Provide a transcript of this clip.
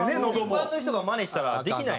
一般の人がマネしたらできない。